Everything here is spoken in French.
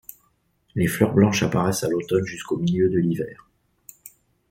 Les fleurs blanches apparaissent à l'automne jusqu'au milieu de l'hiver.